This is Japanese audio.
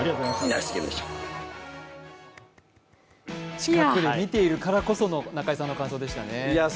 近くで見ているからこその中居さんの感想でしたね。